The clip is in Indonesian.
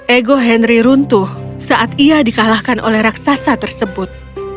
ego henry runtuh saat ia dikalahkan oleh raksasa tersebut